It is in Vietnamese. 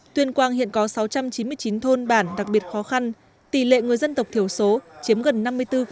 tuyên quang hiện có sáu trăm chín mươi chín thôn bản đặc biệt khó khăn tỷ lệ người dân tộc thiểu số chiếm gần năm mươi bốn